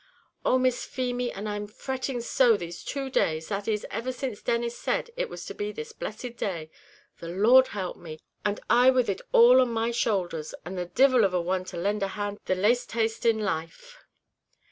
"Oh! Miss Feemy, and I'm fretting so these two days, that is, ever since Denis said it was to be this blessed day, the Lord help me! and I with it all on my shouldhers, and the divil a one to lend a hand the laste taste in life."